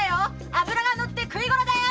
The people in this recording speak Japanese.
脂がのって食いごろだよ‼